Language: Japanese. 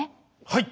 はい。